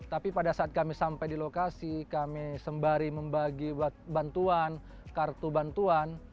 tapi pada saat kami sampai di lokasi kami sembari membagi bantuan kartu bantuan